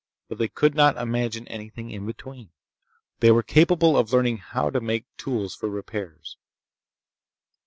But they could not imagine anything in between. They were capable of learning how to make tools for repairs.